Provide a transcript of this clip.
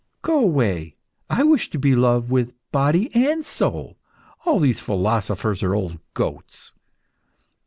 Go away! I wish to be loved with body and soul. All these philosophers are old goats.